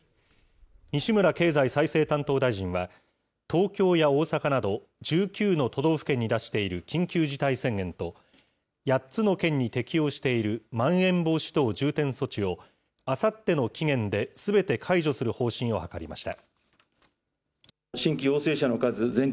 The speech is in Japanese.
西村経済再生担当大臣は、東京や大阪など、１９の都道府県に出している緊急事態宣言と、８つの県に適用しているまん延防止等重点措置を、あさっての期限ですべて解除する方針を諮りました。